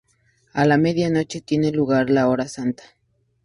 A la media noche tiene lugar la hora santa.